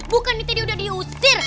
bukan ini tadi udah diusir